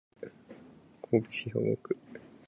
神戸市兵庫区